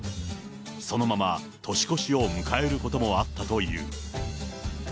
そのまま年越しを迎えることもあったという。